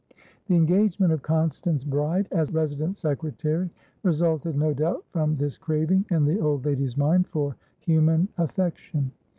The engagement of Constance Bride as resident secretary resulted no doubt from this craving in the old lady's mind for human affection.